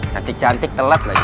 nanti cantik telat lagi ya